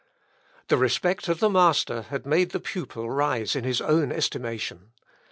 The respect of the master had made the pupil rise in his own estimation.